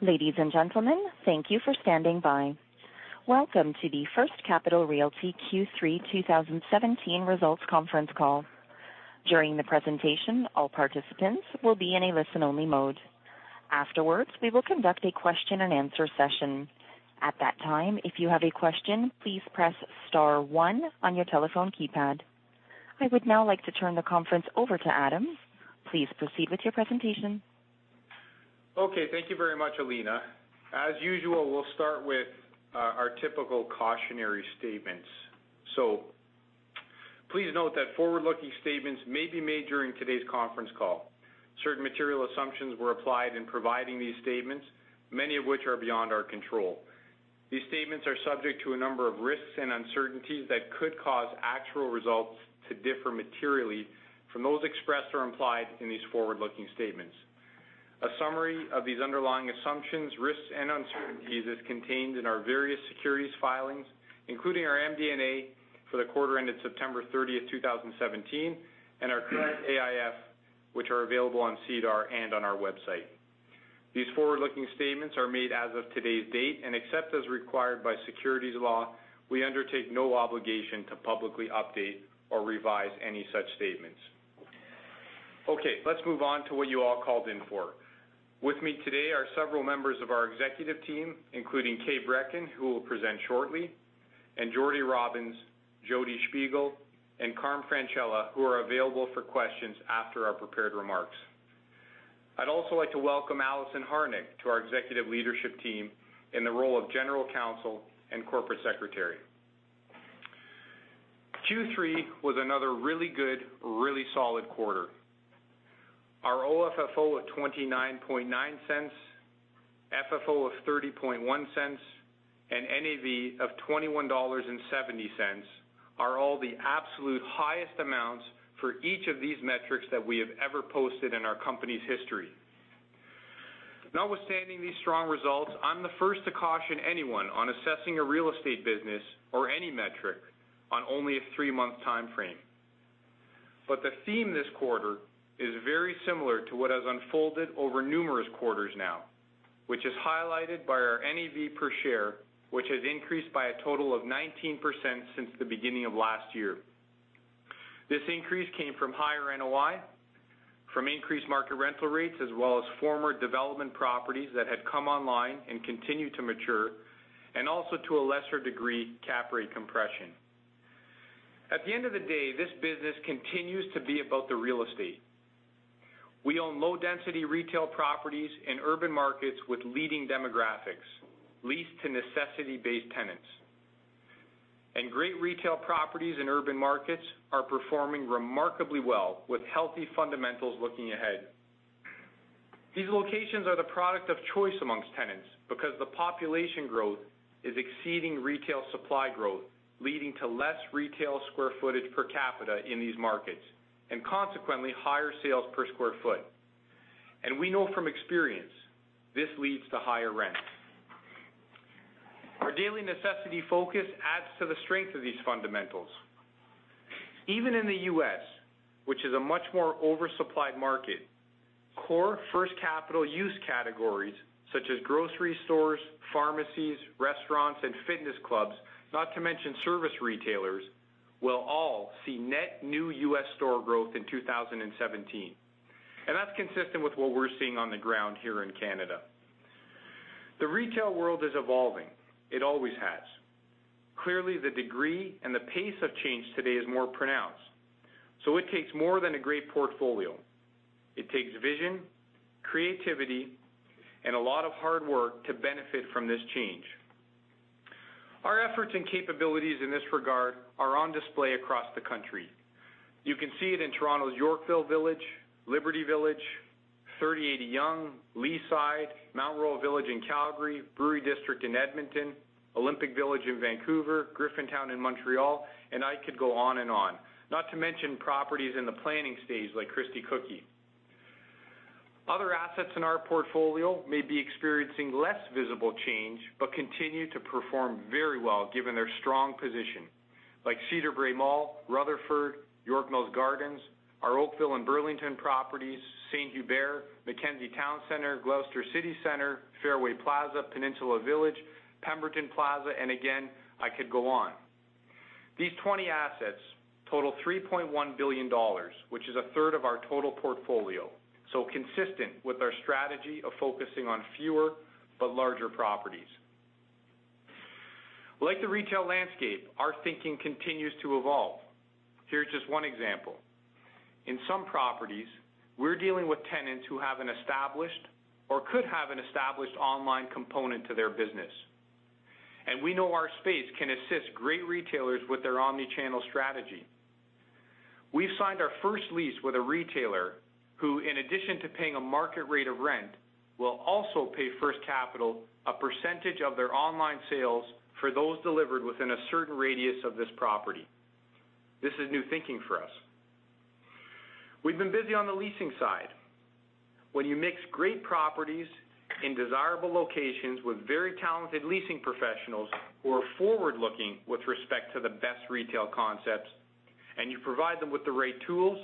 Ladies and gentlemen, thank you for standing by. Welcome to the First Capital Realty Q3 2017 results conference call. During the presentation, all participants will be in a listen-only mode. Afterwards, we will conduct a question and answer session. At that time, if you have a question, please press star one on your telephone keypad. I would now like to turn the conference over to Adam. Please proceed with your presentation. Okay. Thank you very much, Alina. As usual, we'll start with our typical cautionary statements. Please note that forward-looking statements may be made during today's conference call. Certain material assumptions were applied in providing these statements, many of which are beyond our control. These statements are subject to a number of risks and uncertainties that could cause actual results to differ materially from those expressed or implied in these forward-looking statements. A summary of these underlying assumptions, risks, and uncertainties is contained in our various securities filings, including our MD&A for the quarter ended September 30th, 2017, and our current AIF, which are available on SEDAR and on our website. These forward-looking statements are made as of today's date, and except as required by securities law, we undertake no obligation to publicly update or revise any such statements. Let's move on to what you all called in for. With me today are several members of our executive team, including Kay Brekken, who will present shortly, and Jordan Robins, Jodi Shpigel, and Carm Francella, who are available for questions after our prepared remarks. I'd also like to welcome Alison Harnick to our executive leadership team in the role of General Counsel and Corporate Secretary. Q3 was another really good, really solid quarter. Our OFFO of CAD 0.299, FFO of 0.301, and NAV of 21.70 dollars are all the absolute highest amounts for each of these metrics that we have ever posted in our company's history. Notwithstanding these strong results, I'm the first to caution anyone on assessing a real estate business or any metric on only a three-month time frame. The theme this quarter is very similar to what has unfolded over numerous quarters now, which is highlighted by our NAV per share, which has increased by a total of 19% since the beginning of last year. This increase came from higher NOI, from increased market rental rates, as well as former development properties that had come online and continue to mature, and also, to a lesser degree, cap rate compression. At the end of the day, this business continues to be about the real estate. We own low-density retail properties in urban markets with leading demographics, leased to necessity-based tenants. Great retail properties in urban markets are performing remarkably well with healthy fundamentals looking ahead. These locations are the product of choice amongst tenants because the population growth is exceeding retail supply growth, leading to less retail square footage per capita in these markets, and consequently, higher sales per square foot. And we know from experience, this leads to higher rents. Our daily necessity focus adds to the strength of these fundamentals. Even in the U.S., which is a much more oversupplied market, core First Capital use categories such as grocery stores, pharmacies, restaurants, and fitness clubs, not to mention service retailers, will all see net new U.S. store growth in 2017. And that's consistent with what we're seeing on the ground here in Canada. The retail world is evolving. It always has. Clearly, the degree and the pace of change today is more pronounced. It takes more than a great portfolio. It takes vision, creativity, and a lot of hard work to benefit from this change. Our efforts and capabilities in this regard are on display across the country. You can see it in Toronto's Yorkville Village, Liberty Village, 3080 Yonge, Leaside, Mount Royal Village in Calgary, Brewery District in Edmonton, Olympic Village in Vancouver, Griffintown in Montreal, and I could go on and on. Not to mention properties in the planning stage like Christie Cookie. Other assets in our portfolio may be experiencing less visible change but continue to perform very well given their strong position, like Cedarbrae Mall, Rutherford, York Mills Gardens, our Oakville and Burlington properties, St-Hubert, McKenzie Towne Centre, Gloucester City Centre, Fairway Plaza, Peninsula Village, Pemberton Plaza, and again, I could go on. These 20 assets total 3.1 billion dollars, which is a third of our total portfolio. Consistent with our strategy of focusing on fewer but larger properties. Like the retail landscape, our thinking continues to evolve. Here's just one example. In some properties, we're dealing with tenants who have an established or could have an established online component to their business. And we know our space can assist great retailers with their omni-channel strategy. We've signed our first lease with a retailer who, in addition to paying a market rate of rent, will also pay First Capital a percentage of their online sales for those delivered within a certain radius of this property. This is new thinking for us. We've been busy on the leasing side. When you mix great properties in desirable locations with very talented leasing professionals who are forward-looking with respect to the best retail concepts, and you provide them with the right tools.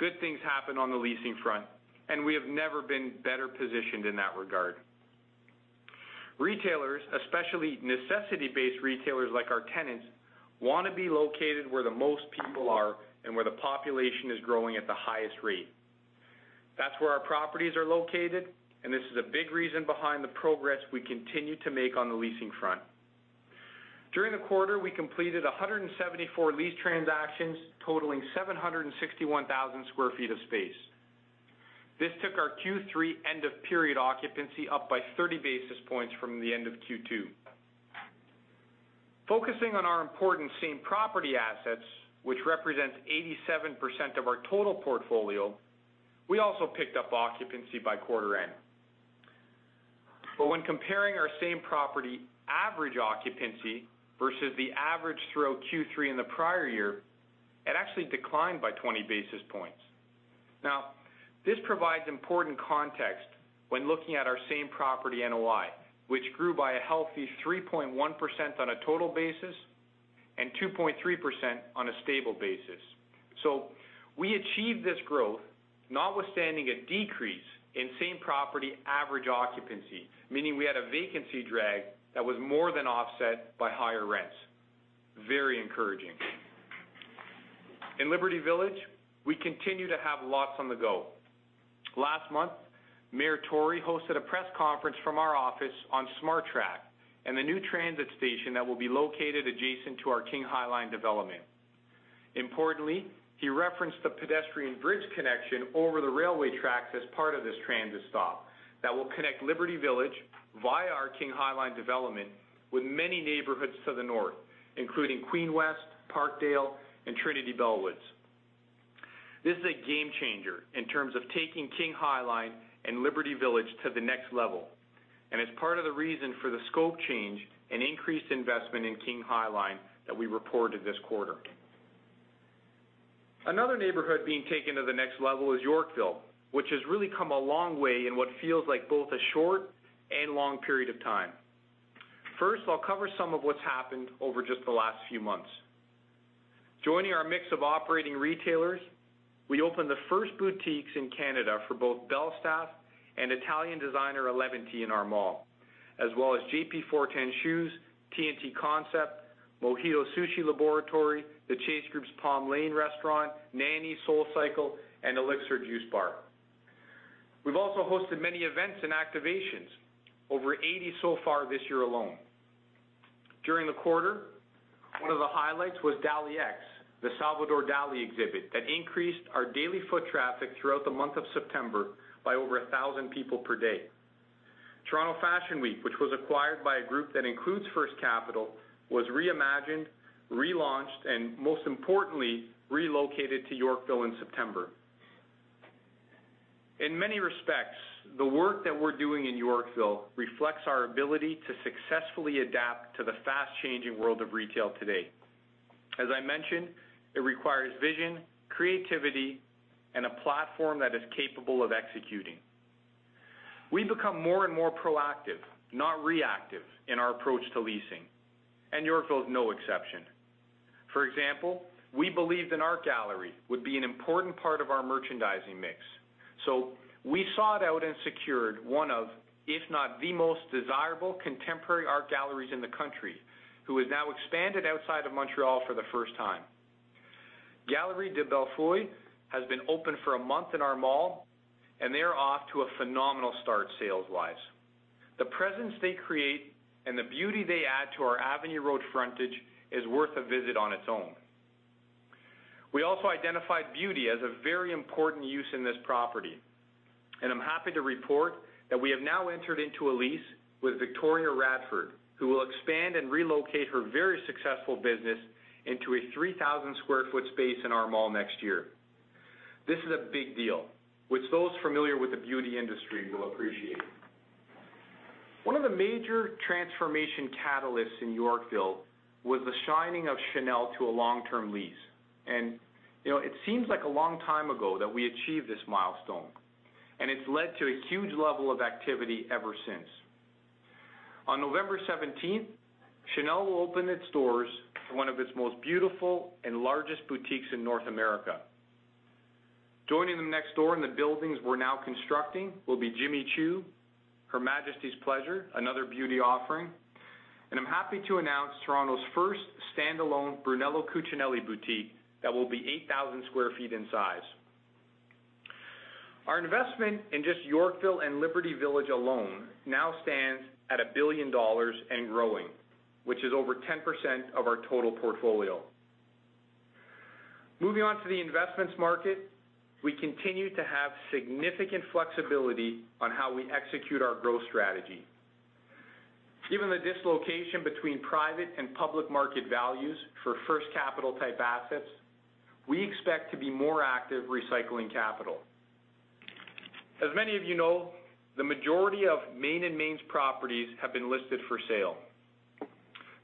Good things happen on the leasing front, and we have never been better positioned in that regard. Retailers, especially necessity-based retailers like our tenants, want to be located where the most people are and where the population is growing at the highest rate. That's where our properties are located, and this is a big reason behind the progress we continue to make on the leasing front. During the quarter, we completed 174 lease transactions totaling 761,000 sq ft of space. This took our Q3 end-of-period occupancy up by 30 basis points from the end of Q2. Focusing on our important same-property assets, which represents 87% of our total portfolio, we also picked up occupancy by quarter end. When comparing our same-property average occupancy versus the average throughout Q3 in the prior year, it actually declined by 20 basis points. Now, this provides important context when looking at our same-property NOI, which grew by a healthy 3.1% on a total basis and 2.3% on a stable basis. We achieved this growth notwithstanding a decrease in same-property average occupancy, meaning we had a vacancy drag that was more than offset by higher rents. Very encouraging. In Liberty Village, we continue to have lots on the go. Last month, Mayor Tory hosted a press conference from our office on SmartTrack and the new transit station that will be located adjacent to our King High Line development. Importantly, he referenced the pedestrian bridge connection over the railway tracks as part of this transit stop that will connect Liberty Village via our King High Line development with many neighborhoods to the north, including Queen West, Parkdale, and Trinity Bellwoods. This is a game changer in terms of taking King High Line and Liberty Village to the next level, and is part of the reason for the scope change and increased investment in King High Line that we reported this quarter. Another neighborhood being taken to the next level is Yorkville, which has really come a long way in what feels like both a short and long period of time. First, I'll cover some of what's happened over just the last few months. Joining our mix of operating retailers, we opened the first boutiques in Canada for both Belstaff and Italian designer Eleventy in our mall, as well as Jean-Paul Fortin, TNT Concept, Mi'Hito Sushi Laboratory, the Chase Hospitality Group's Palm Lane restaurant, Nanni, SoulCycle, and Elixir Juice Bar. We've also hosted many events and activations, over 80 so far this year alone. During the quarter, one of the highlights was Dalí x, the Salvador Dalí exhibit that increased our daily foot traffic throughout the month of September by over 1,000 people per day. Toronto Fashion Week, which was acquired by a group that includes First Capital, was reimagined, relaunched, and most importantly, relocated to Yorkville in September. In many respects, the work that we're doing in Yorkville reflects our ability to successfully adapt to the fast-changing world of retail today. As I mentioned, it requires vision, creativity, and a platform that is capable of executing. We've become more and more proactive, not reactive, in our approach to leasing, and Yorkville is no exception. For example, we believed an art gallery would be an important part of our merchandising mix, so we sought out and secured one of, if not the most desirable contemporary art galleries in the country, who has now expanded outside of Montreal for the first time. Galerie de Bellefeuille has been open for a month in our mall, and they are off to a phenomenal start sales-wise. The presence they create and the beauty they add to our Avenue Road frontage is worth a visit on its own. We also identified beauty as a very important use in this property, I'm happy to report that we have now entered into a lease with Victoria Radford, who will expand and relocate her very successful business into a 3,000 square foot space in our mall next year. This is a big deal, which those familiar with the beauty industry will appreciate. One of the major transformation catalysts in Yorkville was the signing of Chanel to a long-term lease. It seems like a long time ago that we achieved this milestone, and it's led to a huge level of activity ever since. On November 17th, Chanel will open its doors to one of its most beautiful and largest boutiques in North America. Joining them next door in the buildings we're now constructing will be Jimmy Choo, Her Majesty's Pleasure, another beauty offering. I'm happy to announce Toronto's first standalone Brunello Cucinelli boutique that will be 8,000 square feet in size. Our investment in just Yorkville and Liberty Village alone now stands at 1 billion dollars and growing, which is over 10% of our total portfolio. Moving on to the investments market, we continue to have significant flexibility on how we execute our growth strategy. Given the dislocation between private and public market values for First Capital-type assets, we expect to be more active recycling capital. As many of you know, the majority of Main and Main's properties have been listed for sale.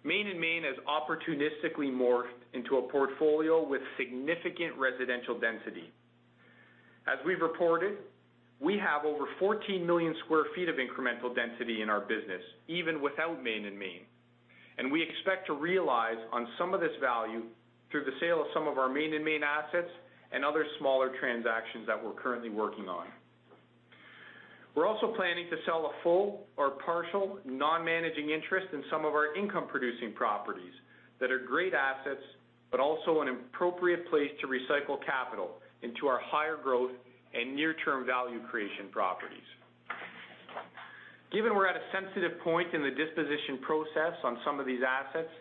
Main and Main has opportunistically morphed into a portfolio with significant residential density. As we've reported, we have over 14 million square feet of incremental density in our business, even without Main and Main. We expect to realize on some of this value through the sale of some of our Main and Main assets and other smaller transactions that we're currently working on. We're also planning to sell a full or partial non-managing interest in some of our income-producing properties that are great assets, but also an appropriate place to recycle capital into our higher-growth and near-term value creation properties. Given we're at a sensitive point in the disposition process on some of these assets,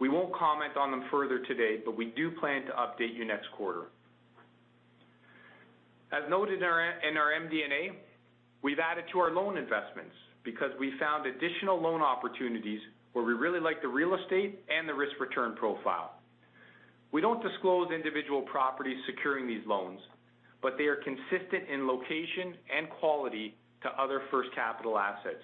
we won't comment on them further today, but we do plan to update you next quarter. As noted in our MD&A, we've added to our loan investments because we found additional loan opportunities where we really like the real estate and the risk-return profile. We don't disclose individual properties securing these loans, but they are consistent in location and quality to other First Capital assets.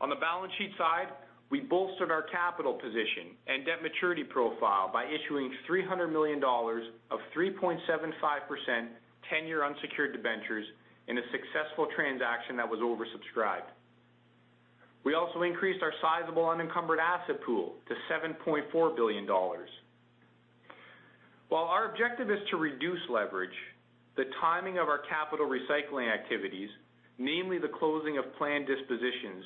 On the balance sheet side, we bolstered our capital position and debt maturity profile by issuing 300 million dollars of 3.75% 10-year unsecured debentures in a successful transaction that was oversubscribed. We also increased our sizable unencumbered asset pool to 7.4 billion dollars. While our objective is to reduce leverage, the timing of our capital recycling activities, namely the closing of planned dispositions,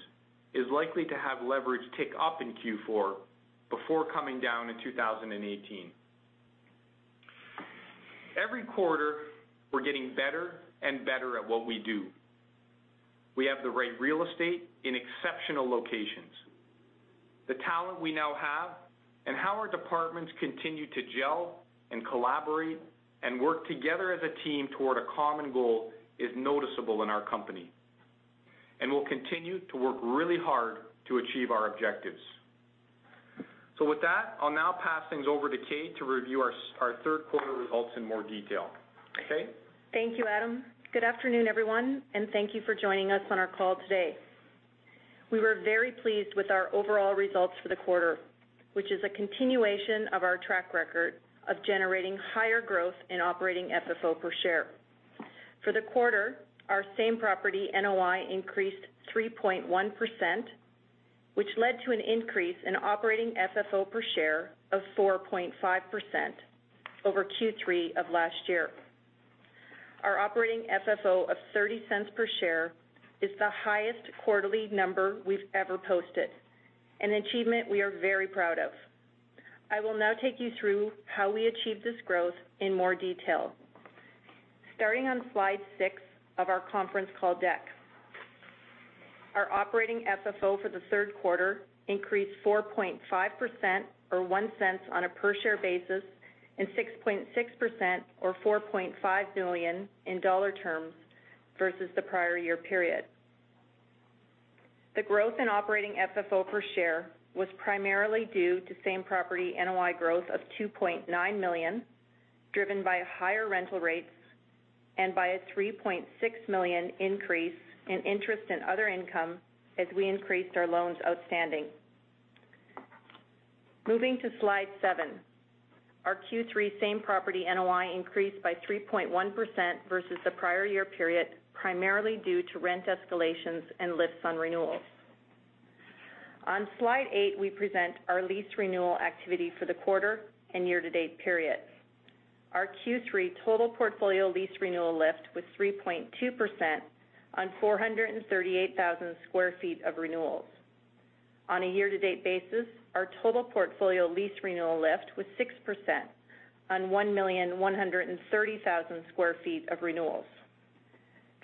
is likely to have leverage tick up in Q4 before coming down in 2018. Every quarter, we're getting better and better at what we do. We have the right real estate in exceptional locations. The talent we now have, and how our departments continue to gel and collaborate and work together as a team toward a common goal is noticeable in our company, and we'll continue to work really hard to achieve our objectives. With that, I'll now pass things over to Kay to review our third quarter results in more detail. Kay? Thank you, Adam. Good afternoon, everyone, and thank you for joining us on our call today. We were very pleased with our overall results for the quarter, which is a continuation of our track record of generating higher growth in operating FFO per share. For the quarter, our same property NOI increased 3.1%, which led to an increase in operating FFO per share of 4.5% over Q3 of last year. Our operating FFO of 0.30 per share is the highest quarterly number we've ever posted, an achievement we are very proud of. I will now take you through how we achieved this growth in more detail. Starting on slide six of our conference call deck. Our operating FFO for the third quarter increased 4.5%, or 0.01 on a per-share basis, and 6.6%, or 4.5 million in dollar terms versus the prior year period. The growth in operating FFO per share was primarily due to same property NOI growth of 2.9 million, driven by higher rental rates and by a 3.6 million increase in interest in other income as we increased our loans outstanding. Moving to slide seven. Our Q3 same-property NOI increased by 3.1% versus the prior year period, primarily due to rent escalations and lifts on renewals. On slide eight, we present our lease renewal activity for the quarter and year-to-date periods. Our Q3 total portfolio lease renewal lift was 3.2% on 438,000 square feet of renewals. On a year-to-date basis, our total portfolio lease renewal lift was 6% on 1,130,000 square feet of renewals.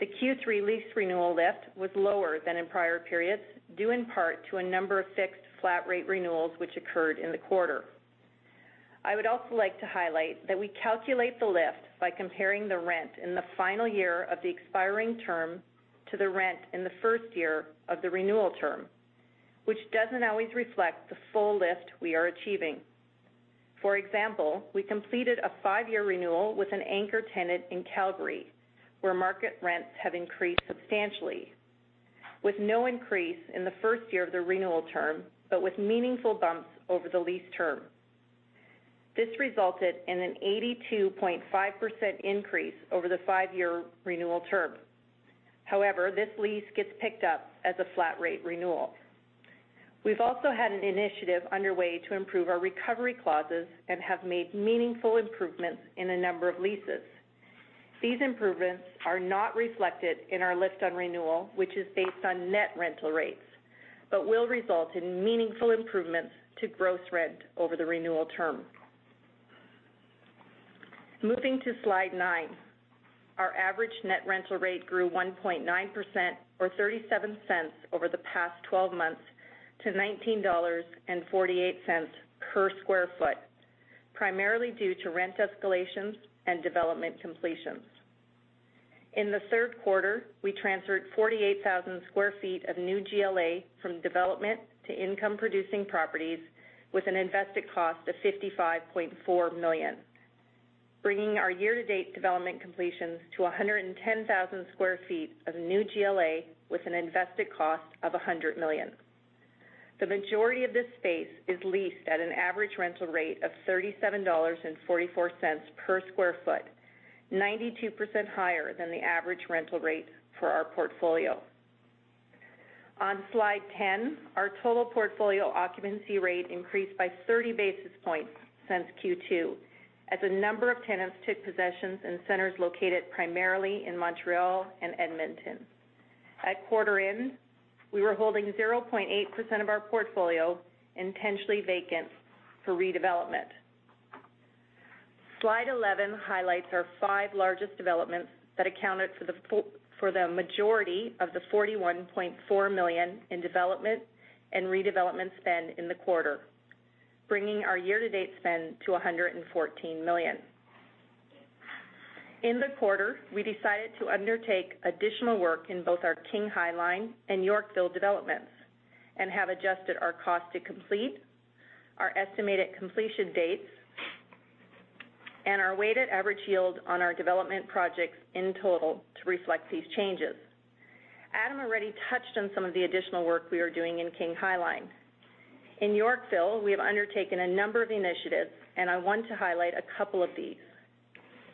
The Q3 lease renewal lift was lower than in prior periods, due in part to a number of fixed flat-rate renewals which occurred in the quarter. I would also like to highlight that we calculate the lift by comparing the rent in the final year of the expiring term to the rent in the first year of the renewal term, which doesn't always reflect the full lift we are achieving. For example, we completed a five-year renewal with an anchor tenant in Calgary, where market rents have increased substantially, with no increase in the first year of the renewal term, but with meaningful bumps over the lease term. This resulted in an 82.5% increase over the five-year renewal term. However, this lease gets picked up as a flat-rate renewal. We've also had an initiative underway to improve our recovery clauses and have made meaningful improvements in a number of leases. These improvements are not reflected in our lift on renewal, which is based on net rental rates, but will result in meaningful improvements to gross rent over the renewal term. Moving to slide nine. Our average net rental rate grew 1.9%, or 0.37 over the past 12 months to 19.48 dollars per sq ft, primarily due to rent escalations and development completions. In the third quarter, we transferred 48,000 sq ft of new GLA from development to income-producing properties with an invested cost of 55.4 million, bringing our year-to-date development completions to 110,000 sq ft of new GLA with an invested cost of 100 million. The majority of this space is leased at an average rental rate of 37.44 dollars per sq ft, 92% higher than the average rental rate for our portfolio. On slide 10, our total portfolio occupancy rate increased by 30 basis points since Q2, as a number of tenants took possessions in centers located primarily in Montreal and Edmonton. At quarter end, we were holding 0.8% of our portfolio intentionally vacant for redevelopment. Slide 11 highlights our five largest developments that accounted for the majority of the 41.4 million in development and redevelopment spend in the quarter, bringing our year-to-date spend to 114 million. In the quarter, we decided to undertake additional work in both our King High Line and Yorkville developments and have adjusted our cost to complete, our estimated completion dates, and our weighted average yield on our development projects in total to reflect these changes. Adam already touched on some of the additional work we are doing in King High Line. In Yorkville, we have undertaken a number of initiatives, and I want to highlight a couple of these.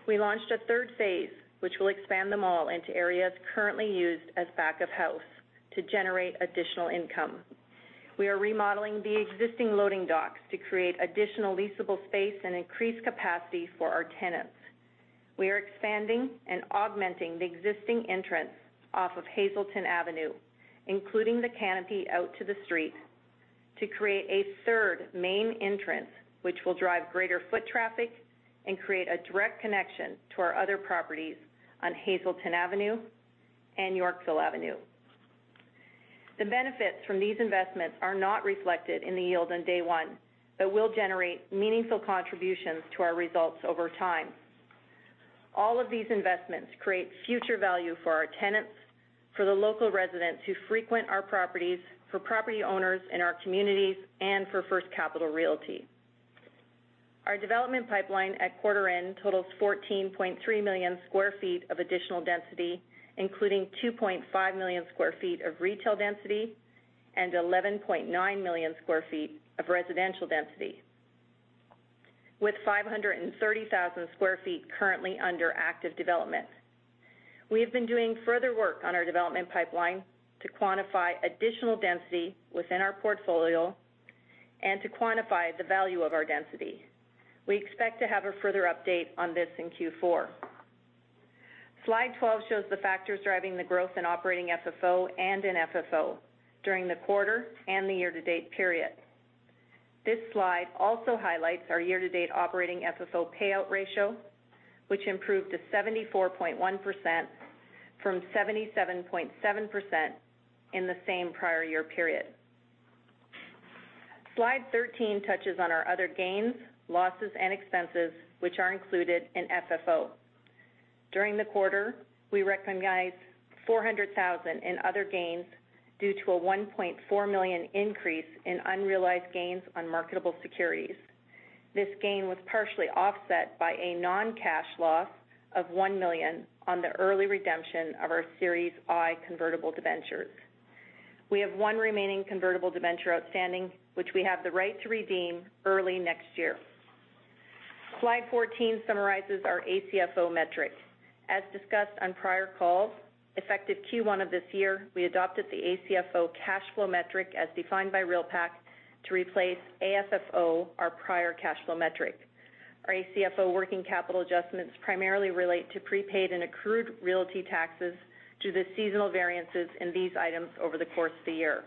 We launched a third phase, which will expand the mall into areas currently used as back-of-house to generate additional income. We are remodeling the existing loading docks to create additional leasable space and increase capacity for our tenants. We are expanding and augmenting the existing entrance off of Hazelton Avenue, including the canopy out to the street to create a third main entrance, which will drive greater foot traffic and create a direct connection to our other properties on Hazelton Avenue and Yorkville Avenue. The benefits from these investments are not reflected in the yield on day one but will generate meaningful contributions to our results over time. All of these investments create future value for our tenants, for the local residents who frequent our properties, for property owners in our communities, and for First Capital Realty. Our development pipeline at quarter end totals 14.3 million sq ft of additional density, including 2.5 million sq ft of retail density and 11.9 million sq ft of residential density, with 530,000 sq ft currently under active development. We have been doing further work on our development pipeline to quantify additional density within our portfolio and to quantify the value of our density. We expect to have a further update on this in Q4. Slide 12 shows the factors driving the growth in operating FFO and in FFO during the quarter and the year-to-date period. This slide also highlights our year-to-date operating FFO payout ratio, which improved to 74.1% from 77.7% in the same prior year period. Slide 13 touches on our other gains, losses, and expenses, which are included in FFO. During the quarter, we recognized 400,000 in other gains due to a 1.4 million increase in unrealized gains on marketable securities. This gain was partially offset by a non-cash loss of 1 million on the early redemption of our Series I convertible debentures. We have one remaining convertible debenture outstanding, which we have the right to redeem early next year. Slide 14 summarizes our ACFO metric. As discussed on prior calls, effective Q1 of this year, we adopted the ACFO cash flow metric as defined by REALPAC to replace AFFO, our prior cash flow metric. Our ACFO working capital adjustments primarily relate to prepaid and accrued realty taxes due to seasonal variances in these items over the course of the year.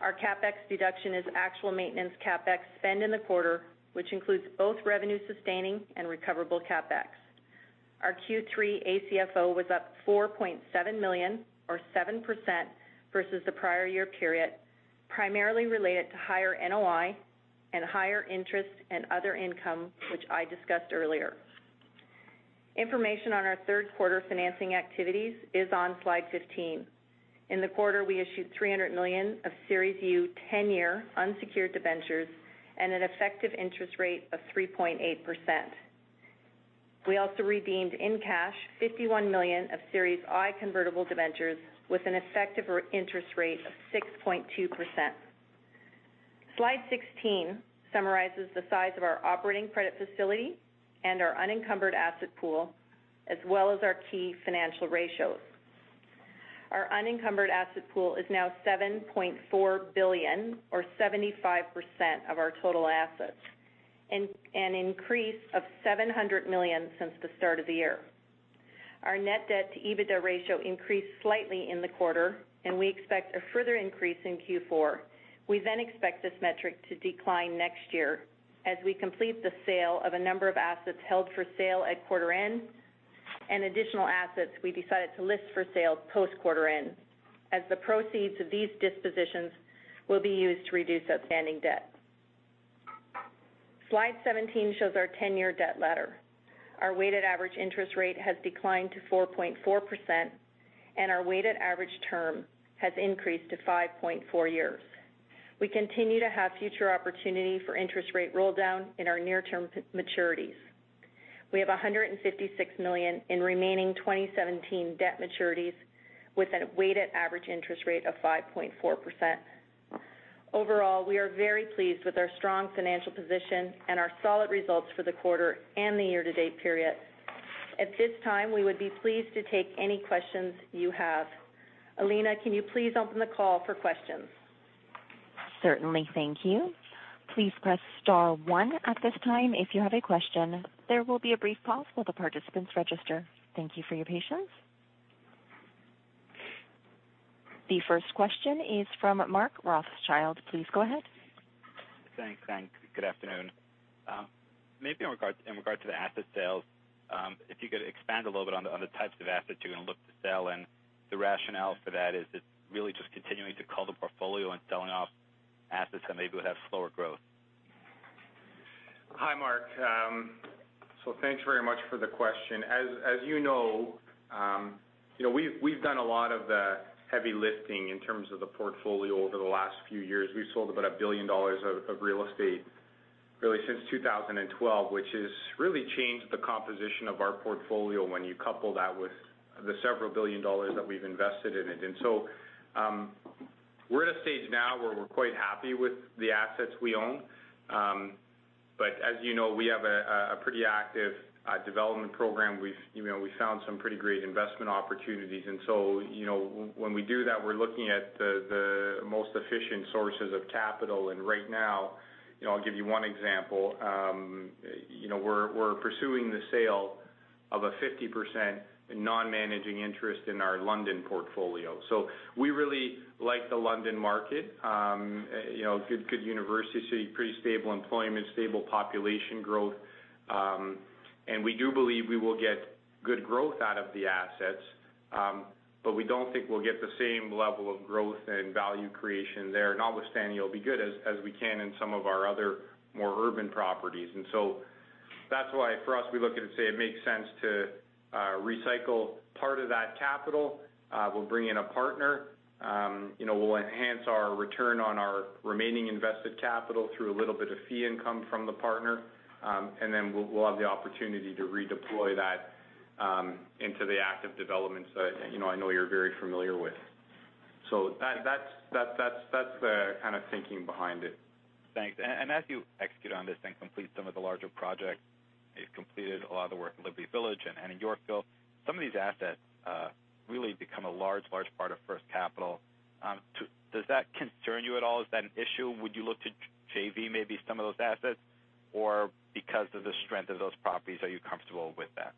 Our CapEx deduction is actual maintenance CapEx spend in the quarter, which includes both revenue-sustaining and recoverable CapEx. Our Q3 ACFO was up 4.7 million or 7% versus the prior year period, primarily related to higher NOI and higher interest and other income, which I discussed earlier. Information on our third quarter financing activities is on slide 15. In the quarter, we issued 300 million of Series U 10-year unsecured debentures at an effective interest rate of 3.8%. We also redeemed in cash 51 million of Series I convertible debentures with an effective interest rate of 6.2%. Slide 16 summarizes the size of our operating credit facility and our unencumbered asset pool, as well as our key financial ratios. Our unencumbered asset pool is now 7.4 billion or 75% of our total assets, an increase of 700 million since the start of the year. Our net debt-to-EBITDA ratio increased slightly in the quarter, and we expect a further increase in Q4. We expect this metric to decline next year as we complete the sale of a number of assets held for sale at quarter end and additional assets we decided to list for sale post quarter end, as the proceeds of these dispositions will be used to reduce outstanding debt. Slide 17 shows our 10-year debt ladder. Our weighted average interest rate has declined to 4.4%, and our weighted average term has increased to 5.4 years. We continue to have future opportunity for interest rate roll-down in our near-term maturities. We have 156 million in remaining 2017 debt maturities with a weighted average interest rate of 5.4%. Overall, we are very pleased with our strong financial position and our solid results for the quarter and the year-to-date period. At this time, we would be pleased to take any questions you have. Alina, can you please open the call for questions? Certainly. Thank you. Please press star one at this time if you have a question. There will be a brief pause while the participants register. Thank you for your patience. The first question is from Mark Rothschild. Please go ahead. Thanks. Good afternoon. Maybe in regard to the asset sales, if you could expand a little bit on the types of assets you're going to look to sell and the rationale for that. Is it really just continuing to cull the portfolio and selling off assets that maybe would have slower growth? Hi, Mark. Thanks very much for the question. As you know, we've done a lot of the heavy lifting in terms of the portfolio over the last few years. We've sold about 1 billion dollars of real estate really since 2012, which has really changed the composition of our portfolio when you couple that with the several billion CAD that we've invested in it. We're at a stage now where we're quite happy with the assets we own. As you know, we have a pretty active development program. We've found some pretty great investment opportunities, when we do that, we're looking at the most efficient sources of capital. Right now, I'll give you one example. We're pursuing the sale of a 50% non-managing interest in our London portfolio. We really like the London market. Good university, pretty stable employment, stable population growth. We do believe we will get good growth out of the assets. We don't think we'll get the same level of growth and value creation there, notwithstanding it'll be good, as we can in some of our other more urban properties. That's why for us, we look at it and say it makes sense to recycle part of that capital. We'll bring in a partner. We'll enhance our return on our remaining invested capital through a little bit of fee income from the partner. We'll have the opportunity to redeploy that into the active developments that I know you're very familiar with. That's the kind of thinking behind it. Thanks. As you execute on this and complete some of the larger projects, you've completed a lot of the work in Liberty Village and in Yorkville. Some of these assets really become a large part of First Capital. Does that concern you at all? Is that an issue? Would you look to JV maybe some of those assets, or because of the strength of those properties, are you comfortable with that?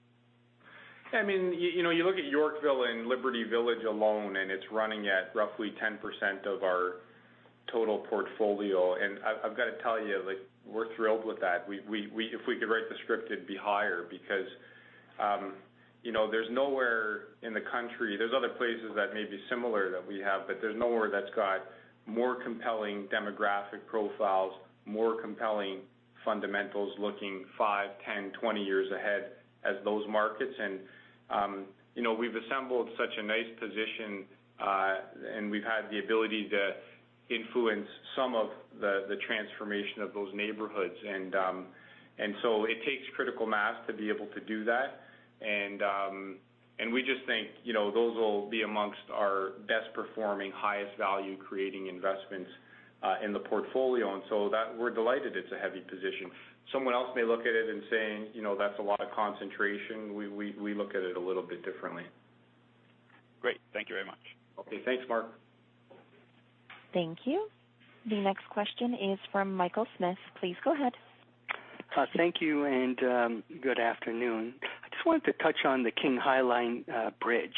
I mean, you look at Yorkville and Liberty Village alone, it's running at roughly 10% of our total portfolio. I've got to tell you, we're thrilled with that. If we could write the script, it'd be higher because there's nowhere in the country, there's other places that may be similar that we have, but there's nowhere that's got more compelling demographic profiles, more compelling fundamentals looking five, 10, 20 years ahead as those markets. We've assembled such a nice position, and we've had the ability to influence some of the transformation of those neighborhoods. So it takes critical mass to be able to do that. We just think those will be amongst our best-performing, highest value-creating investments in the portfolio. So we're delighted it's a heavy position. Someone else may look at it and say, "That's a lot of concentration." We look at it a little bit differently. Great. Thank you very much. Okay. Thanks, Mark. Thank you. The next question is from Michael Markidis. Please go ahead. Thank you, and good afternoon. I just wanted to touch on the King High Line bridge.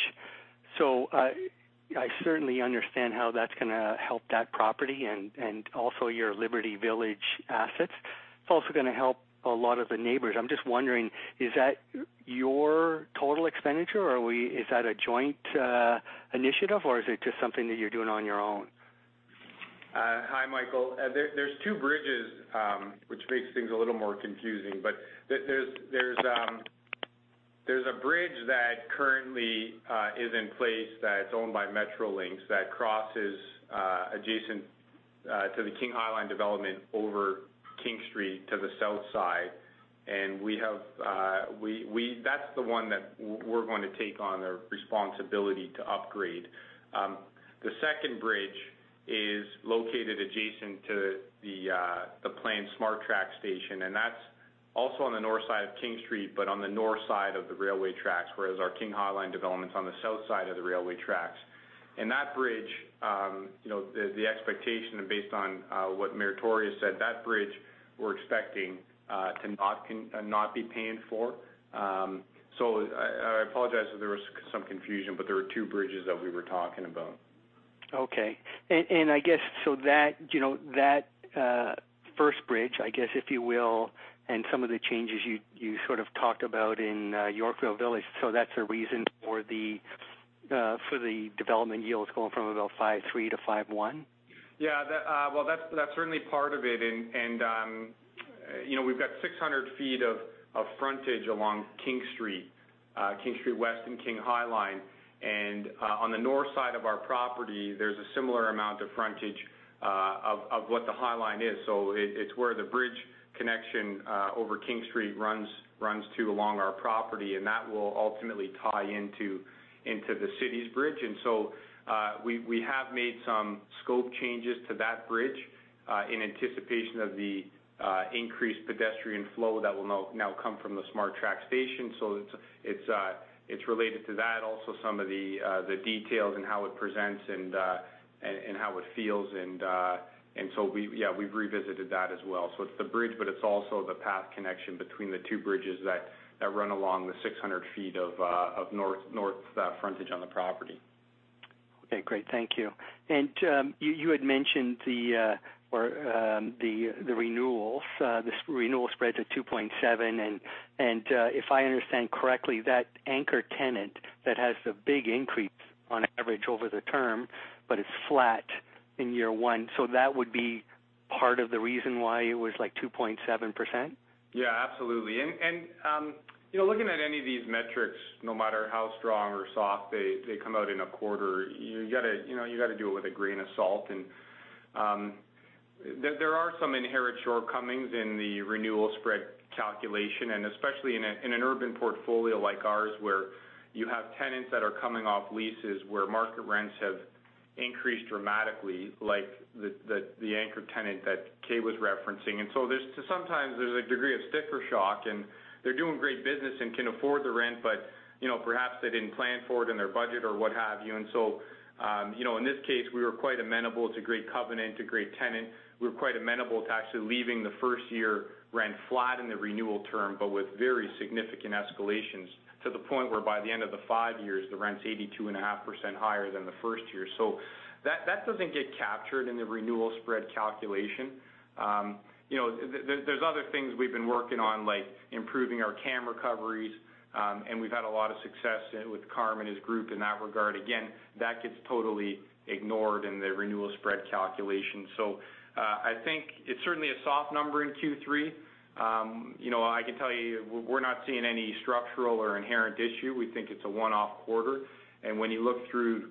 I certainly understand how that's going to help that property and also your Liberty Village assets. It's also going to help a lot of the neighbors. I'm just wondering, is that your total expenditure, or is that a joint initiative, or is it just something that you're doing on your own? Hi, Michael. There's two bridges, which makes things a little more confusing. There's a bridge that currently is in place that's owned by Metrolinx that crosses adjacent to the King High Line development over King Street to the south side. That's the one that we're going to take on the responsibility to upgrade. The second bridge is located adjacent to the planned SmartTrack station, and that's also on the north side of King Street, but on the north side of the railway tracks, whereas our King High Line development's on the south side of the railway tracks. That bridge, the expectation based on what John Tory has said, that bridge we're expecting to not be paying for. I apologize if there was some confusion, but there are two bridges that we were talking about. Okay. I guess, so that first bridge, I guess, if you will, and some of the changes you sort of talked about in Yorkville Village, so that's a reason for the development yields going from about 5.3 to 5.1? Yeah. Well, that's certainly part of it. We've got 600 feet of frontage along King Street. King Street West and King High Line. On the north side of our property, there's a similar amount of frontage of what the High Line is. It's where the bridge connection over King Street runs to along our property, and that will ultimately tie into the city's bridge. We have made some scope changes to that bridge, in anticipation of the increased pedestrian flow that will now come from the SmartTrack station. It's related to that. Also, some of the details and how it presents and how it feels, yeah, we've revisited that as well. It's the bridge, but it's also the path connection between the two bridges that run along the 600 feet of north frontage on the property. Okay, great. Thank you. You had mentioned the renewals. This renewal spread to 2.7 and if I understand correctly, that anchor tenant that has the big increase on average over the term, but it's flat in year one. That would be part of the reason why it was like 2.7%? Yeah, absolutely. Looking at any of these metrics, no matter how strong or soft they come out in a quarter, you got to do it with a grain of salt. There are some inherent shortcomings in the renewal spread calculation, and especially in an urban portfolio like ours, where you have tenants that are coming off leases where market rents have increased dramatically, like the anchor tenant that Kay was referencing. Sometimes there's a degree of sticker shock, and they're doing great business and can afford the rent, but perhaps they didn't plan for it in their budget or what have you. In this case, we were quite amenable to great covenant, to great tenant. We were quite amenable to actually leaving the first-year rent flat in the renewal term, but with very significant escalations to the point where by the end of the 5 years, the rent's 82.5% higher than the first year. That doesn't get captured in the renewal spread calculation. There's other things we've been working on, like improving our CAM recoveries. We've had a lot of success with Carm and his group in that regard. Again, that gets totally ignored in the renewal spread calculation. I think it's certainly a soft number in Q3. I can tell you, we're not seeing any structural or inherent issue. We think it's a one-off quarter. When you look through,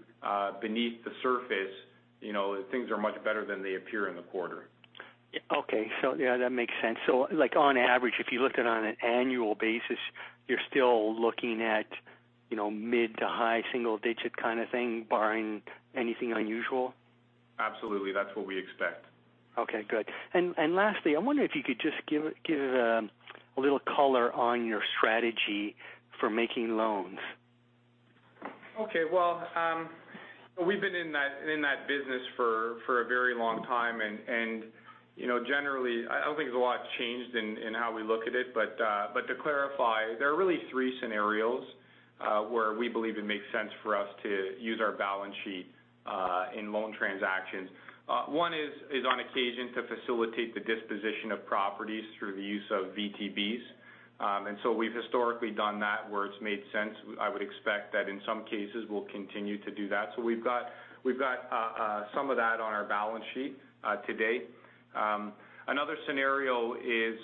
beneath the surface, things are much better than they appear in the quarter. Okay. Yeah, that makes sense. Like on average, if you looked at on an annual basis, you're still looking at mid to high single-digit kind of thing, barring anything unusual? Absolutely. That's what we expect. Okay, good. Lastly, I wonder if you could just give it a little color on your strategy for making loans. Well, we've been in that business for a very long time. Generally, I don't think there's a lot changed in how we look at it. To clarify, there are really three scenarios where we believe it makes sense for us to use our balance sheet in loan transactions. One is on occasion to facilitate the disposition of properties through the use of VTBs. We've historically done that where it's made sense. I would expect that in some cases we'll continue to do that. We've got some of that on our balance sheet to date. Another scenario is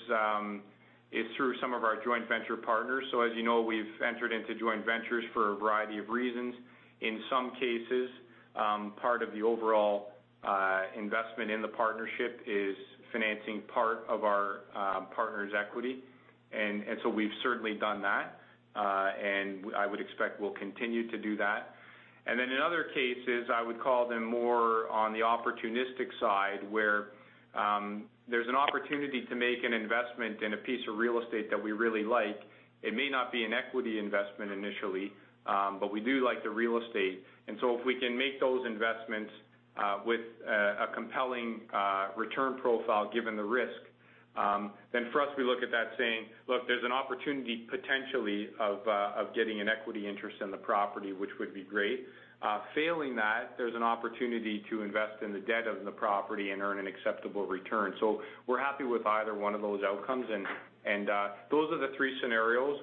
through some of our joint venture partners. As you know, we've entered into joint ventures for a variety of reasons. In some cases, part of the overall investment in the partnership is financing part of our partner's equity. We've certainly done that. I would expect we'll continue to do that. In other cases, I would call them more on the opportunistic side, where there's an opportunity to make an investment in a piece of real estate that we really like. It may not be an equity investment initially. We do like the real estate. If we can make those investments with a compelling return profile given the risk, for us, we look at that saying, look, there's an opportunity potentially of getting an equity interest in the property, which would be great. Failing that, there's an opportunity to invest in the debt of the property and earn an acceptable return. We're happy with either one of those outcomes. Those are the three scenarios.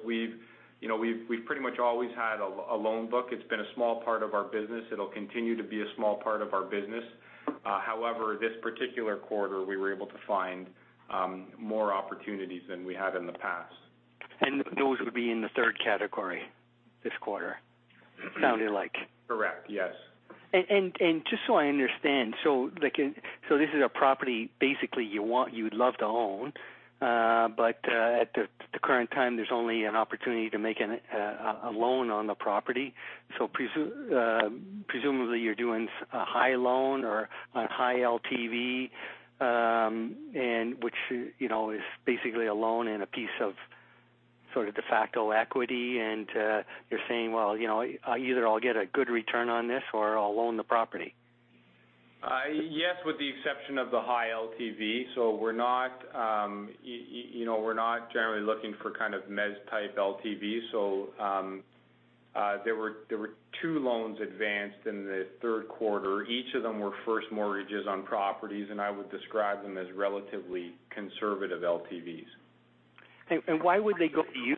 We've pretty much always had a loan book. It's been a small part of our business. It'll continue to be a small part of our business. However, this particular quarter, we were able to find more opportunities than we had in the past. Those would be in the third category this quarter, sounded like. Correct. Yes. Just so I understand, this is a property basically you'd love to own, but at the current time, there's only an opportunity to make a loan on the property. Presumably you're doing a high loan or a high LTV, which is basically a loan and a piece of sort of de facto equity, and you're saying, well, either I'll get a good return on this, or I'll loan the property. Yes, with the exception of the high LTV. We're not generally looking for kind of mez type LTV. There were two loans advanced in the third quarter. Each of them were first mortgages on properties, and I would describe them as relatively conservative LTVs. Why would they go to you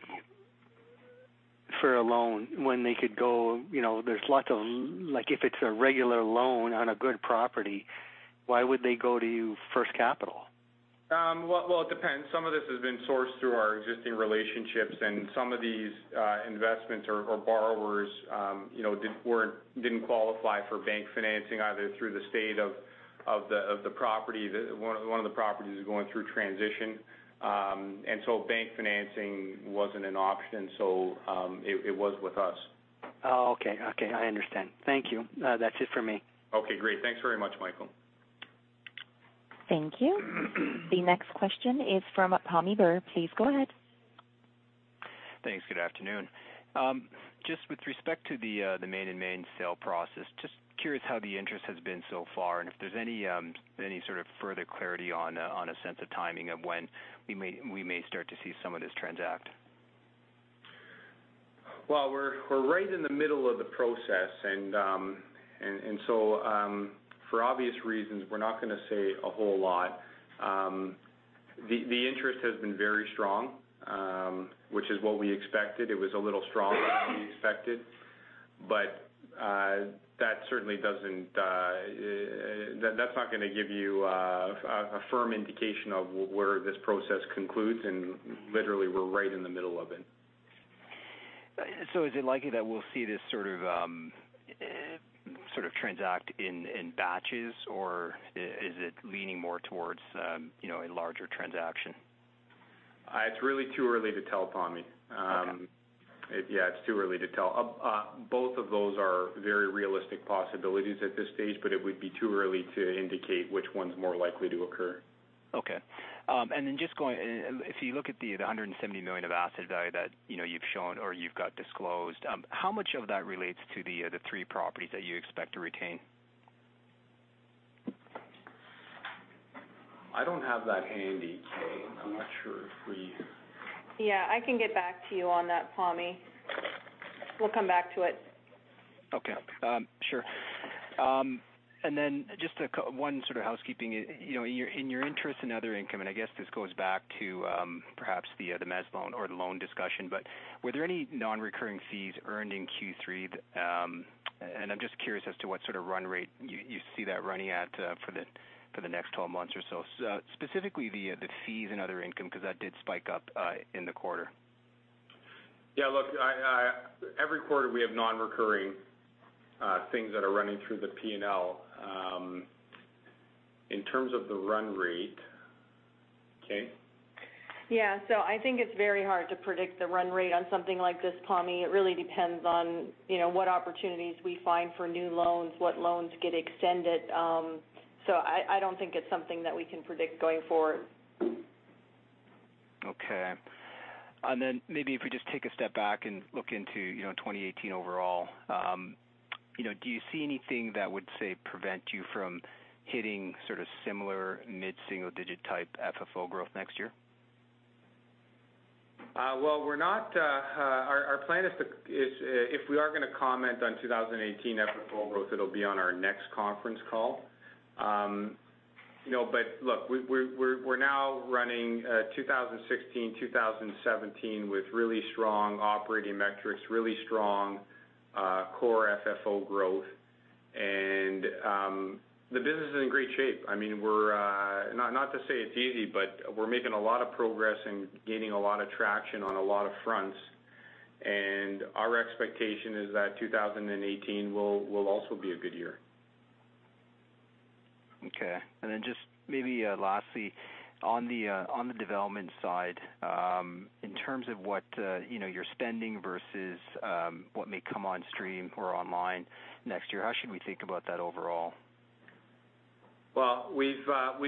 for a loan when they could? There's lots of, like if it's a regular loan on a good property, why would they go to you, First Capital? It depends. Some of this has been sourced through our existing relationships, and some of these investments or borrowers didn't qualify for bank financing, either through the state of the property. One of the properties is going through transition. Bank financing wasn't an option. It was with us. Oh, okay. I understand. Thank you. That's it from me. Okay, great. Thanks very much, Michael. Thank you. The next question is from Pammi Bir. Please go ahead. Thanks. Good afternoon. With respect to the Main and Main sale process, just curious how the interest has been so far, and if there is any sort of further clarity on a sense of timing of when we may start to see some of this transact. Well, we are right in the middle of the process. For obvious reasons, we are not going to say a whole lot. The interest has been very strong, which is what we expected. It was a little stronger than we expected. That is not going to give you a firm indication of where this process concludes. Literally, we are right in the middle of it. Is it likely that we will see this sort of transact in batches, or is it leaning more towards a larger transaction? It is really too early to tell, Pammi. Okay. It's too early to tell. Both of those are very realistic possibilities at this stage, but it would be too early to indicate which one's more likely to occur. Okay. Just going, if you look at the 170 million of asset value that you've shown or you've got disclosed, how much of that relates to the three properties that you expect to retain? I don't have that handy, Kay. I'm not sure. I can get back to you on that, Pammi. We'll come back to it. Okay. Sure. Just one sort of housekeeping. In your interest and other income, I guess this goes back to perhaps the mezz loan or the loan discussion, were there any non-recurring fees earned in Q3? I'm just curious as to what sort of run rate you see that running at for the next 12 months or so, specifically the fees and other income, because that did spike up in the quarter. Yeah, look, every quarter, we have non-recurring things that are running through the P&L. In terms of the run rate, Kay? Yeah. I think it's very hard to predict the run rate on something like this, Pammi. It really depends on what opportunities we find for new loans, what loans get extended. I don't think it's something that we can predict going forward. Okay. Maybe if we just take a step back and look into 2018 overall. Do you see anything that would, say, prevent you from hitting sort of similar mid-single-digit-type FFO growth next year? Well, our plan is, if we are going to comment on 2018 FFO growth, it'll be on our next conference call. Look, we're now running 2016, 2017 with really strong operating metrics, really strong core FFO growth. The business is in great shape. Not to say it's easy, but we're making a lot of progress and gaining a lot of traction on a lot of fronts. Our expectation is that 2018 will also be a good year. Okay. Just maybe lastly, on the development side, in terms of what you're spending versus what may come on stream or online next year, how should we think about that overall? Well, we've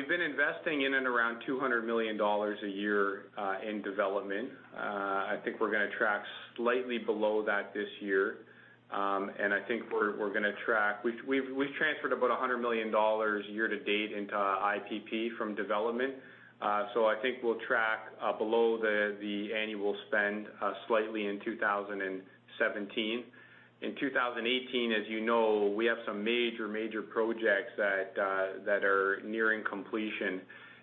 been investing in and around 200 million dollars a year in development. I think we're going to track slightly below that this year. I think we're going to We've transferred about 100 million dollars year to date into IPP from development. I think we'll track below the annual spend slightly in 2017. In 2018, as you know, we have some major projects that are nearing completion.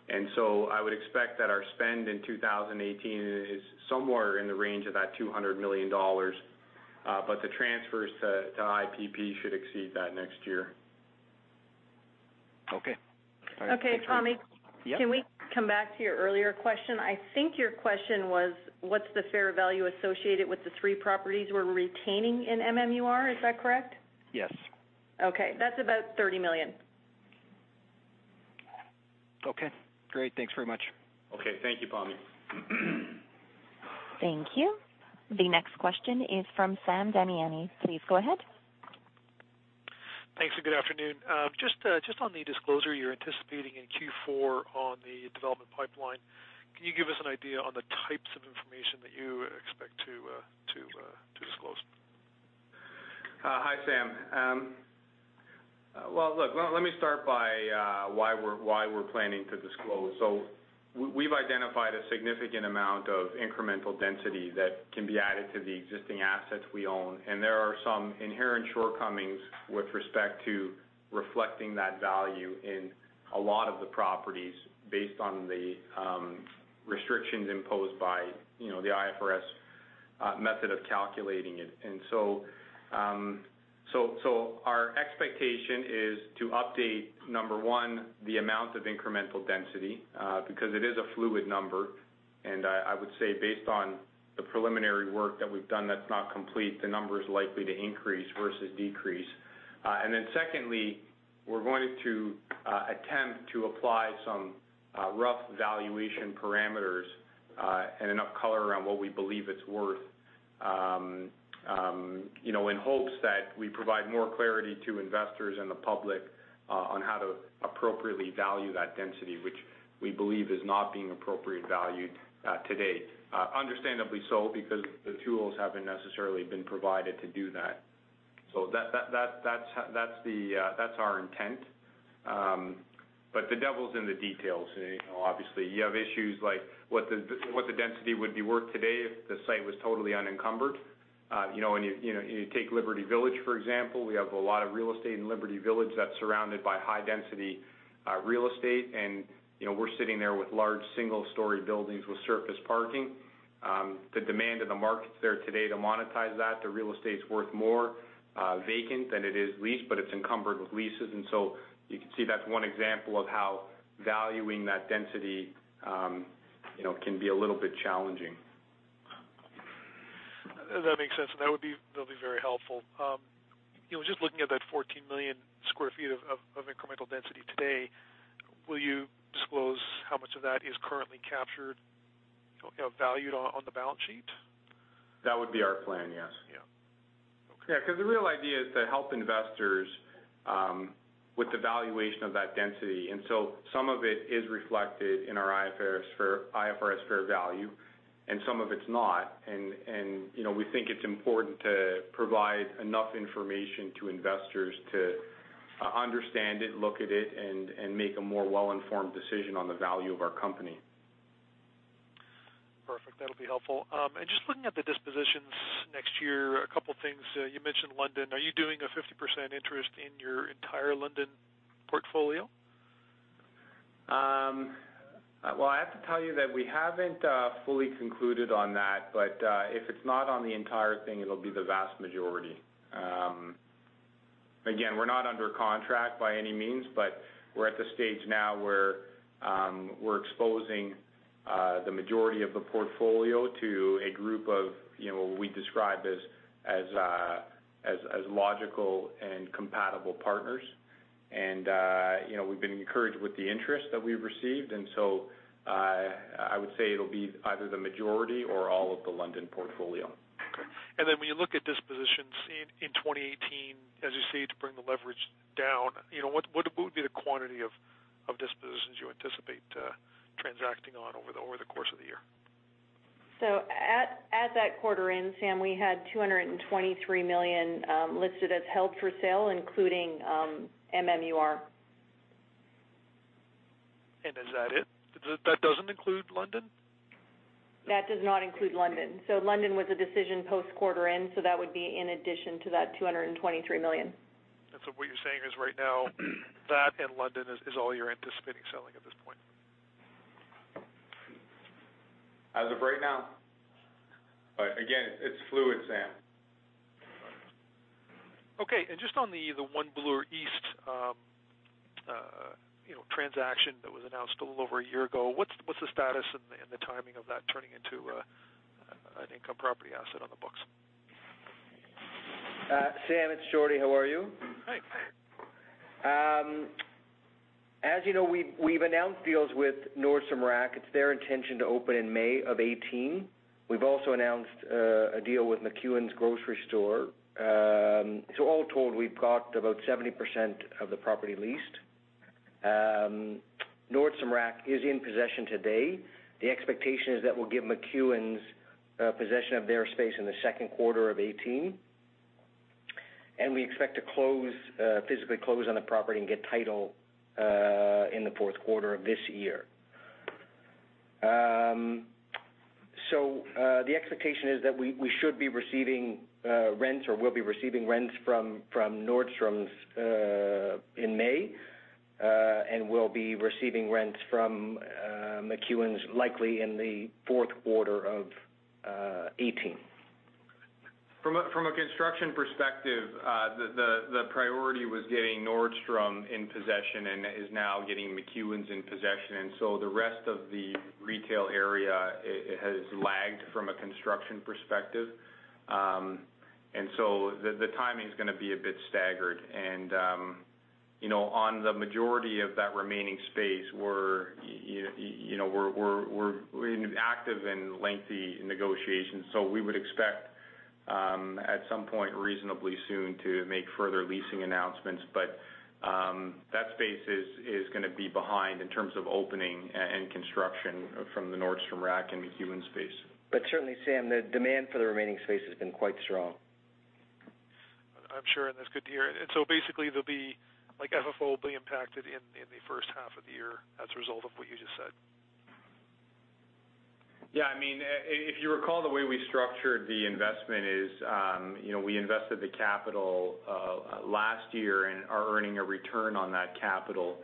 I would expect that our spend in 2018 is somewhere in the range of that 200 million dollars. The transfers to IPP should exceed that next year. Okay. All right. Okay, Pammi. Yeah. Can we come back to your earlier question? I think your question was what's the fair value associated with the three properties we're retaining in MMUR. Is that correct? Yes. Okay. That's about 30 million. Okay, great. Thanks very much. Okay, thank you, Pammi. Thank you. The next question is from Sam Damiani. Please go ahead. Thanks, good afternoon. Just on the disclosure you're anticipating in Q4 on the development pipeline, can you give us an idea on the types of information that you expect to disclose? Hi, Sam. Well, look, let me start by why we're planning to disclose. We've identified a significant amount of incremental density that can be added to the existing assets we own, there are some inherent shortcomings with respect to reflecting that value in a lot of the properties based on the restrictions imposed by the IFRS method of calculating it. Our expectation is to update, number one, the amount of incremental density, because it is a fluid number. I would say based on the preliminary work that we've done, that's not complete, the number is likely to increase versus decrease. Secondly, we're going to attempt to apply some rough valuation parameters, and enough color around what we believe it's worth, in hopes that we provide more clarity to investors and the public on how to appropriately value that density, which we believe is not being appropriately valued to date. Understandably so, because the tools haven't necessarily been provided to do that. That's our intent. The devil's in the details. Obviously, you have issues like what the density would be worth today if the site was totally unencumbered. You take Liberty Village, for example, we have a lot of real estate in Liberty Village that's surrounded by high-density real estate, and we're sitting there with large single-story buildings with surface parking. The demand and the market's there today to monetize that. The real estate's worth more vacant than it is leased, but it's encumbered with leases. You can see that's one example of how valuing that density can be a little bit challenging. That makes sense. That'll be very helpful. Just looking at that 14 million square feet of incremental density today, will you disclose how much of that is currently captured, valued on the balance sheet? That would be our plan, yes. Yeah. Okay. Because the real idea is to help investors with the valuation of that density. Some of it is reflected in our IFRS fair value, and some of it is not. We think it is important to provide enough information to investors to understand it, look at it, and make a more well-informed decision on the value of our company. Perfect. That will be helpful. Just looking at the dispositions next year, a couple of things. You mentioned London. Are you doing a 50% interest in your entire London portfolio? I have to tell you that we haven't fully concluded on that, but if it is not on the entire thing, it will be the vast majority. We are not under contract by any means, but we are at the stage now where we are exposing the majority of the portfolio to a group of what we describe as logical and compatible partners. We have been encouraged with the interest that we have received. I would say it will be either the majority or all of the London portfolio. Okay. Then when you look at dispositions in 2018, as you say, to bring the leverage down, what would be the quantity of dispositions you anticipate transacting on over the course of the year? At that quarter end, Sam, we had 223 million listed as held for sale, including MMUR. Is that it? That doesn't include London? That does not include London. London was a decision post quarter end, that would be in addition to that 223 million. What you're saying is right now, that and London is all you're anticipating selling at this point? As of right now. Again, it's fluid, Sam. Okay. Just on the One Bloor East transaction that was announced a little over a year ago, what's the status and the timing of that turning into an income property asset on the books? Sam, it's Jordy. How are you? Hi. As you know, we've announced deals with Nordstrom Rack. It's their intention to open in May of 2018. We've also announced a deal with McEwan's grocery store. All told, we've got about 70% of the property leased. Nordstrom Rack is in possession today. The expectation is that we'll give McEwan's possession of their space in the second quarter of 2018. We expect to physically close on the property and get title in the fourth quarter of this year. The expectation is that we should be receiving rents, or will be receiving rents from Nordstrom's in May. We'll be receiving rents from McEwan's likely in the fourth quarter of 2018. From a construction perspective, the priority was getting Nordstrom in possession and is now getting McEwan's in possession. The rest of the retail area has lagged from a construction perspective. The timing's going to be a bit staggered. On the majority of that remaining space, we're in active and lengthy negotiations. We would expect, at some point reasonably soon, to make further leasing announcements. That space is going to be behind in terms of opening and construction from the Nordstrom Rack and McEwan space. Certainly, Sam, the demand for the remaining space has been quite strong. I'm sure, and that's good to hear. Basically, FFO will be impacted in the first half of the year as a result of what you just said. If you recall, the way we structured the investment is, we invested the capital last year and are earning a return on that capital.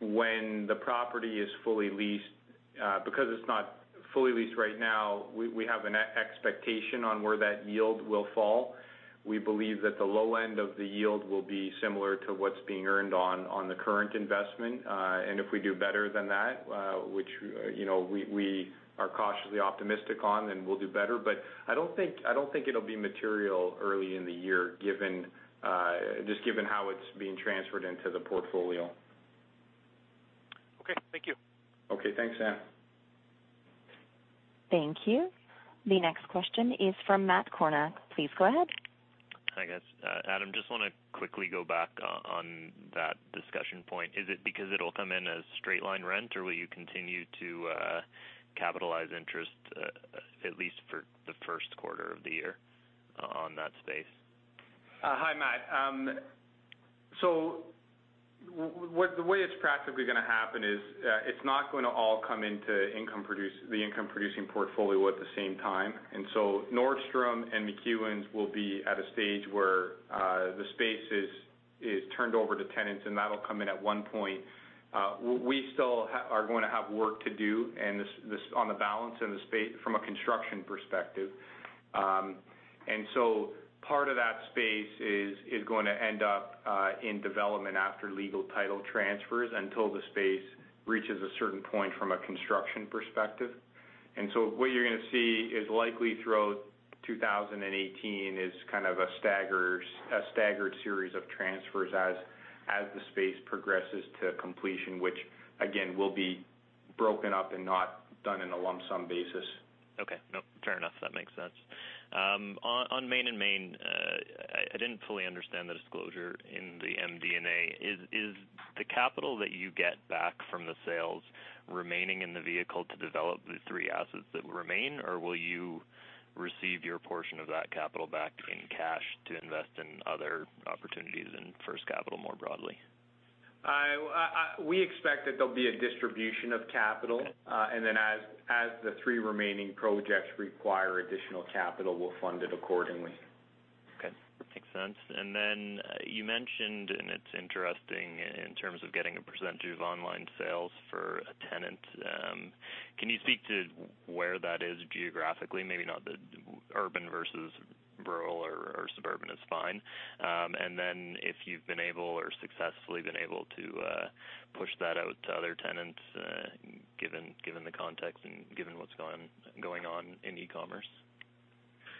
When the property is fully leased, because it's not fully leased right now, we have an expectation on where that yield will fall. We believe that the low end of the yield will be similar to what's being earned on the current investment. If we do better than that, which we are cautiously optimistic on, then we'll do better. I don't think it'll be material early in the year, just given how it's being transferred into the portfolio. Okay. Thank you. Okay, thanks, Sam. Thank you. The next question is from Matt Kornack. Please go ahead. Hi, guys. Adam, I just want to quickly go back on that discussion point. Is it because it'll come in as straight-line rent, or will you continue to capitalize interest, at least for the first quarter of the year on that space? Hi, Matt. The way it's practically going to happen is, it's not going to all come into the income-producing portfolio at the same time. Nordstrom and McEwan's will be at a stage where the space is turned over to tenants, and that'll come in at one point. We still are going to have work to do on the balance from a construction perspective. Part of that space is going to end up in development after legal title transfers, until the space reaches a certain point from a construction perspective. What you're going to see is likely throughout 2018 is kind of a staggered series of transfers as the space progresses to completion, which again, will be broken up and not done in a lump sum basis. Okay. No, fair enough. That makes sense. On Main and Main, I didn't fully understand the disclosure in the MD&A. Is the capital that you get back from the sales remaining in the vehicle to develop the three assets that remain, or will you receive your portion of that capital back in cash to invest in other opportunities in First Capital more broadly? We expect that there'll be a distribution of capital. Okay. As the three remaining projects require additional capital, we'll fund it accordingly. Okay. Makes sense. You mentioned, and it's interesting in terms of getting a % of online sales for a tenant, can you speak to where that is geographically? Maybe not the urban versus rural or suburban is fine. If you've been able or successfully been able to push that out to other tenants, given the context and given what's going on in e-commerce.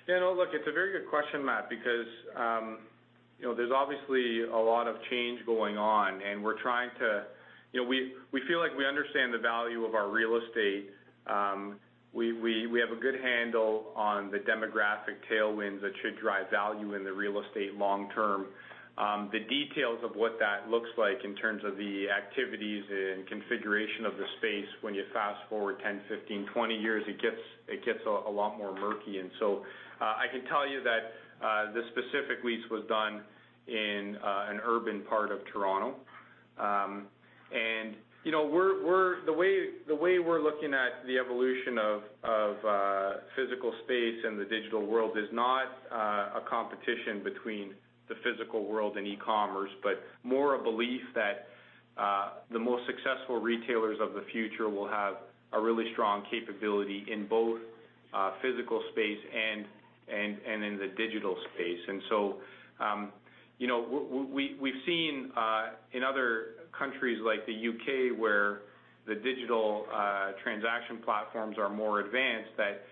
Yeah, no, look, it's a very good question, Matt, because there's obviously a lot of change going on and we feel like we understand the value of our real estate. We have a good handle on the demographic tailwinds that should drive value in the real estate long term. The details of what that looks like in terms of the activities and configuration of the space, when you fast-forward 10, 15, 20 years, it gets a lot murkier. I can tell you that the specific lease was done in an urban part of Toronto. The way we're looking at the evolution of physical space and the digital world is not a competition between the physical world and e-commerce, but more a belief that the most successful retailers of the future will have a really strong capability in both physical space and in the digital space. We've seen in other countries like the U.K., where the digital transaction platforms are more advanced, that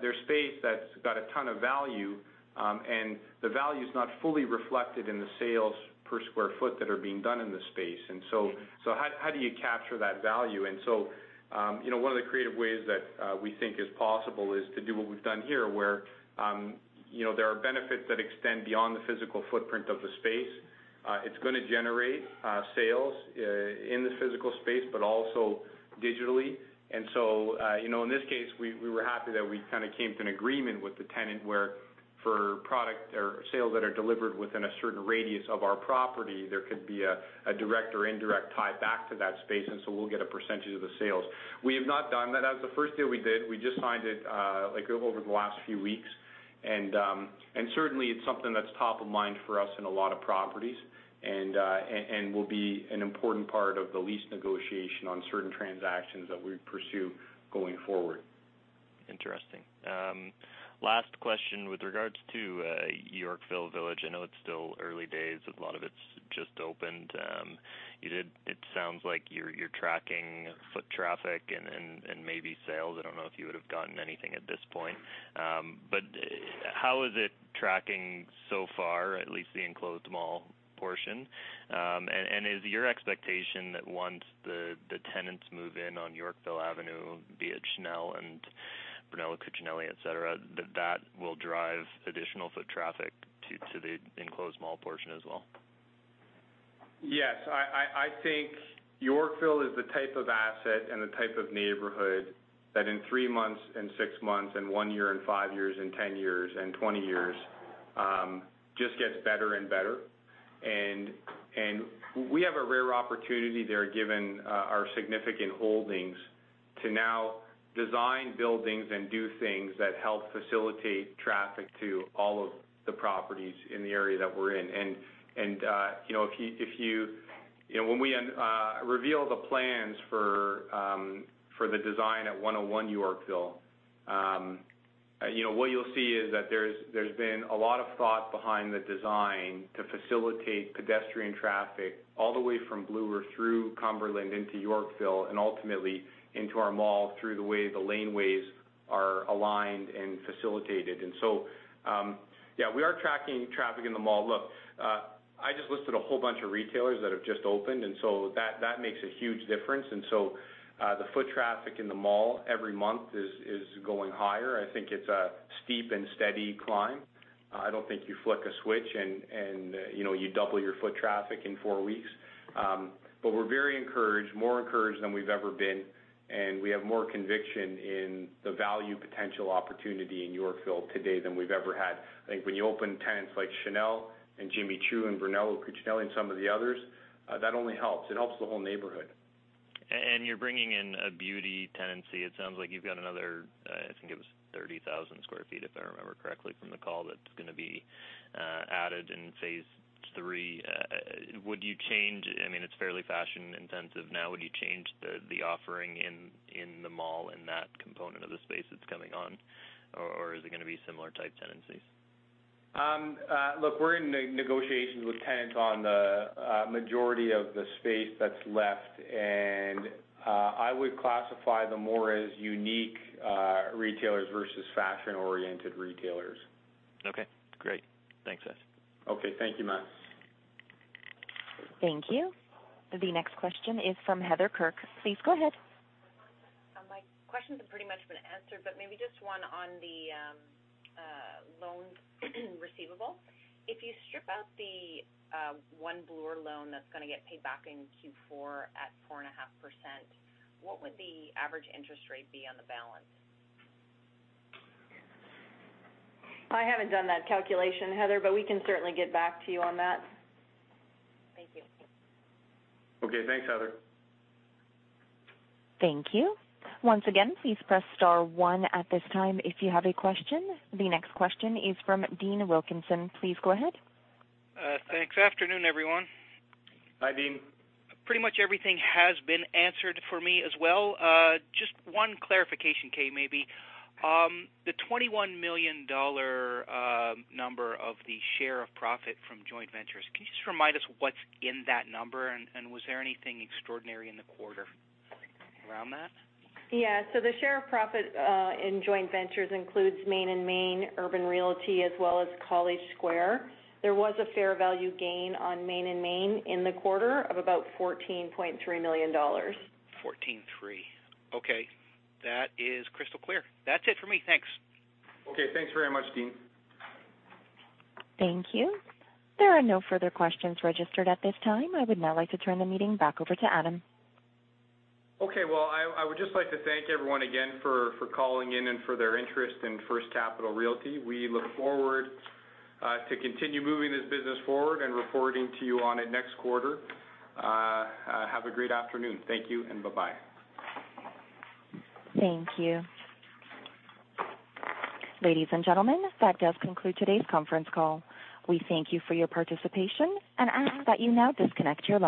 there's space that's got a ton of value, and the value's not fully reflected in the sales per sq ft that are being done in the space. How do you capture that value? One of the creative ways that we think is possible is to do what we've done here, where there are benefits that extend beyond the physical footprint of the space. It's going to generate sales in the physical space, but also digitally. In this case, we were happy that we kind of came to an agreement with the tenant where for product or sales that are delivered within a certain radius of our property, there could be a direct or indirect tie back to that space. We'll get a percentage of the sales. We have not done that. That was the first deal we did. We just signed it, like over the last few weeks. Certainly, it's something that's top of mind for us in a lot of properties, and will be an important part of the lease negotiation on certain transactions that we pursue going forward. Interesting. Last question. With regards to Yorkville Village, I know it's still early days. A lot of it's just opened. It sounds like you're tracking foot traffic and maybe sales. I don't know if you would've gotten anything at this point. How is it tracking so far, at least the enclosed mall portion? Is your expectation that once the tenants move in on Yorkville Avenue, be it Chanel and Brunello Cucinelli, et cetera, that that will drive additional foot traffic to the enclosed mall portion as well? Yes. I think Yorkville is the type of asset and the type of neighborhood that in three months, in six months, in one year, in five years, in 10 years, in 20 years, just gets better and better. We have a rare opportunity there, given our significant holdings, to now design buildings and do things that help facilitate traffic to all of the properties in the area that we're in. When we reveal the plans for the design at 101 Yorkville, what you'll see is that there's been a lot of thought behind the design to facilitate pedestrian traffic all the way from Bloor through Cumberland into Yorkville and ultimately into our mall through the way the laneways are aligned and facilitated. Yeah, we are tracking traffic in the mall. Look, I just listed a whole bunch of retailers that have just opened, that makes a huge difference. The foot traffic in the mall every month is going higher. I think it's a steep and steady climb. I don't think you flick a switch and you double your foot traffic in four weeks. We're very encouraged, more encouraged than we've ever been, and we have more conviction in the value potential opportunity in Yorkville today than we've ever had. I think when you open tenants like Chanel and Jimmy Choo and Brunello Cucinelli and some of the others, that only helps. It helps the whole neighborhood. You're bringing in a beauty tenancy. It sounds like you've got another, I think it was 30,000 sq ft, if I remember correctly from the call, that's going to be added in phase 3. It's fairly fashion intensive now. Would you change the offering in the mall in that component of the space that's coming on, or is it going to be similar type tenancies? Look, we're in negotiations with tenants on the majority of the space that's left, and I would classify them more as unique retailers versus fashion-oriented retailers. Okay, great. Thanks, Adam. Okay, thank you, Matt. Thank you. The next question is from Heather Kirk. Please go ahead. My questions have pretty much been answered, but maybe just one on the loans receivable. If you strip out the One Bloor loan that's going to get paid back in Q4 at 4.5%, what would the average interest rate be on the balance? I haven't done that calculation, Heather, but we can certainly get back to you on that. Thank you. Okay. Thanks, Heather. Thank you. Once again, please press star one at this time if you have a question. The next question is from Dean Wilkinson. Please go ahead. Thanks. Afternoon, everyone. Hi, Dean. Pretty much everything has been answered for me as well. Just one clarification, Kay, maybe. The 21 million dollar number of the share of profit from joint ventures. Can you just remind us what's in that number, and was there anything extraordinary in the quarter around that? Yeah. The share of profit in joint ventures includes Main and Main Urban Realty, as well as College Square. There was a fair value gain on Main and Main in the quarter of about 14.3 million dollars. 14.3. Okay. That is crystal clear. That's it for me. Thanks. Okay, thanks very much, Dean. Thank you. There are no further questions registered at this time. I would now like to turn the meeting back over to Adam. Okay. Well, I would just like to thank everyone again for calling in and for their interest in First Capital Realty. We look forward to continue moving this business forward and reporting to you on it next quarter. Have a great afternoon. Thank you, and bye-bye. Thank you. Ladies and gentlemen, that does conclude today's conference call. We thank you for your participation and ask that you now disconnect your line.